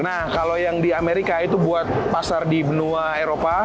nah kalau yang di amerika itu buat pasar di benua eropa